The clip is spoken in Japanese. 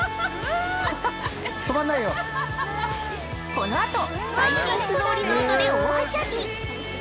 ◆このあと、最新スノーリゾートで大はしゃぎ！